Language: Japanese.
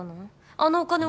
あのお金は？